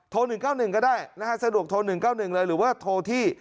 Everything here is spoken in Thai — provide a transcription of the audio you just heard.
โทร๑๙๑ก็ได้โทร๑๙๑เลยหรือว่าโทรที่